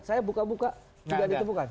saya buka buka tidak ditemukan